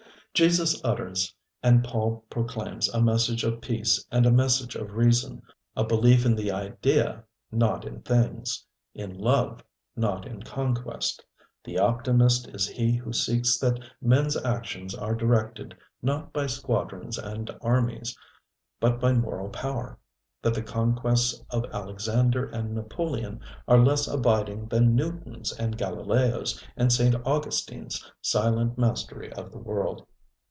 Jesus utters and Paul proclaims a message of peace and a message of reason, a belief in the Idea, not in things, in love, not in conquest. The optimist is he who sees that menŌĆÖs actions are directed not by squadrons and armies, but by moral power, that the conquests of Alexander and Napoleon are less abiding than NewtonŌĆÖs and GalileoŌĆÖs and St. AugustineŌĆÖs silent mastery of the world.